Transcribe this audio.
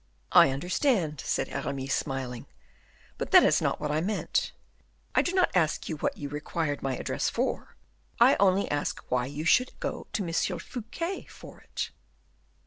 "I understand," said Aramis smiling, "but that is not what I meant; I do not ask you what you required my address for: I only ask why you should go to M. Fouquet for it?"